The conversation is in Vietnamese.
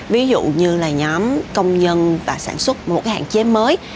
ví dụ như là nhóm công nhân và sản xuất một cái hạn chế mới